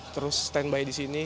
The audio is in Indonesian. terus standby di sini